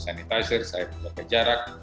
saya mau punya sanitizer saya mau punya jarak